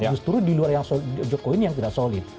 justru di luar jokowi ini yang tidak solid